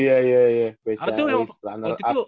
iya iya iya spesialis runner up